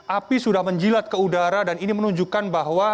api sudah menjilat ke udara dan ini menunjukkan bahwa